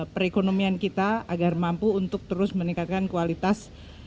perekonomian kita agar mampu untuk terus meningkatkan kualitas